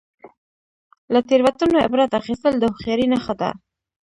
• له تیروتنو عبرت اخیستل د هوښیارۍ نښه ده.